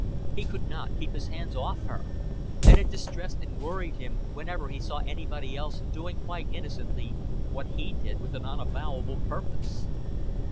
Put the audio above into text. He could not keep his hands off her and it distressed and worried him whenever he saw anybody else doing quite innocently what he did with an unavowable purpose.